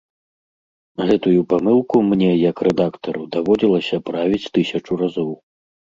Гэтую памылку мне як рэдактару даводзілася правіць тысячу разоў.